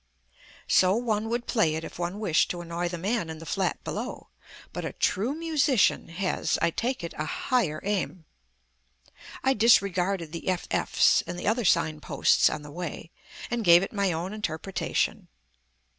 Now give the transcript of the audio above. So one would play it if one wished to annoy the man in the flat below; but a true musician has, I take it, a higher aim. I disregarded the "FF.'s" and the other sign posts on the way, and gave it my own interpretation.